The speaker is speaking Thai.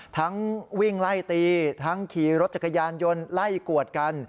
ทั้งวิ่งไล่ตีทั้งขี่รถจักรยานยนต์ไล่กวดกัน